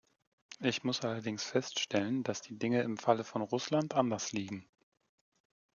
Ich muss allerdings feststellen, dass die Dinge im Falle von Russland anders liegen.